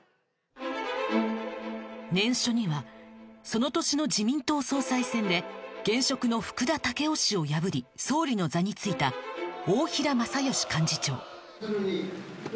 念書にはその年の自民党総裁選で現職の福田赳夫氏を破り総理の座に就いた大平正芳幹事長